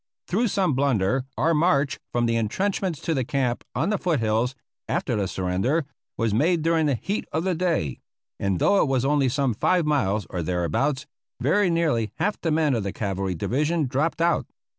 Through some blunder our march from the intrenchments to the camp on the foothills, after the surrender, was made during the heat of the day; and though it was only some five miles or thereabouts, very nearly half the men of the cavalry division dropped out.